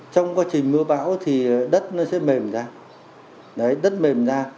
trong quá trình mưa bão thì đất nó sẽ mềm ra đất mềm ra